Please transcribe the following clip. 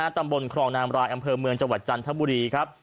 ตำบลครองนามรายอำเภอเมืองจังหวัดจันทบุรีครับ